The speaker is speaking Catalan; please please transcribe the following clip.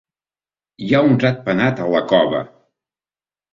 Hi ha un ratpenat a la cova.